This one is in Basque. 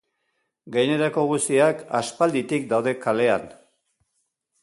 Gainerako guztiak aspalditik daude kalean.